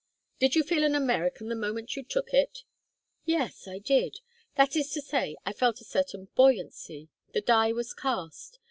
"Did you feel an American the moment you took it?" "Yes I did. That is to say I felt a certain buoyancy. The die was cast.